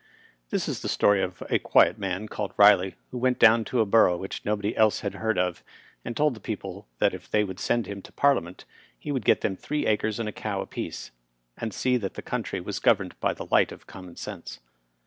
This is the story of a quiet man, called Bilej, who went down to a borongh which nobody else had heard of, and told the people that if they would send him to Parliament he would get them three acres and a cow apiece, and see that the country was governed by the light of common sense.